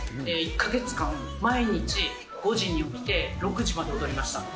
１か月間、毎日５時に起きて６時まで踊りました。